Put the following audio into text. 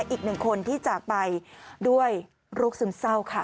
อีกหนึ่งคนที่จากไปด้วยโรคซึมเศร้าค่ะ